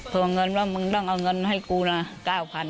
วงเงินว่ามึงต้องเอาเงินให้กูนะ๙๐๐บาท